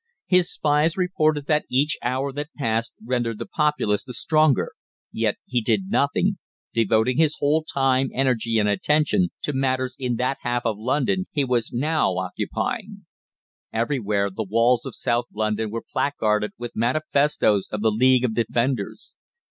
His spies reported that each hour that passed rendered the populace the stronger, yet he did nothing, devoting his whole time, energy, and attention to matters in that half of London he was now occupying. Everywhere the walls of South London were placarded with manifestoes of the League of Defenders.